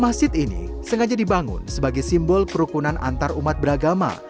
masjid ini juga dianggap sebagai simbol kegiatan kegiatan masjid yang beragama